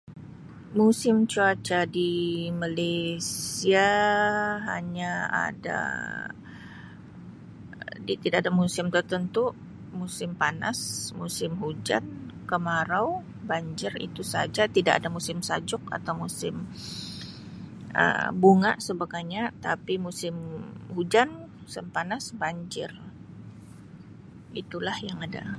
Musim cuaca di Malaysia hanya ada dia tidak ada musim tertentu musim panas, musim hujan, kemarau, banjir itu saja tidak ada musim sajuk atau musim Um bunga [unintelligible] tapi musim hujan, musim panas, banjir itu lah yang ada.